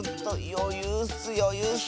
よゆうッスよゆうッス！